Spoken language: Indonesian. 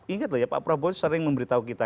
ingatlah ya pak prabowo sering memberitahu kita